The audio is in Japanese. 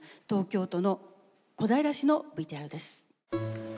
東京都の小平市のＶＴＲです。